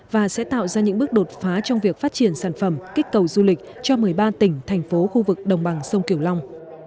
và sẽ tạo ra những bước đột phá trong việc phát triển sản phẩm kích cầu du lịch cho một mươi ba tỉnh thành phố khu vực đồng bằng sông kiểu long